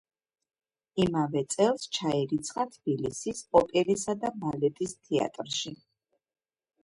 იმავე წელს ჩაირიცხა თბილისის ოპერისა და ბალეტის თეატრში.